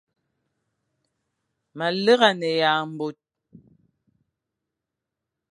Ma lera ye mor.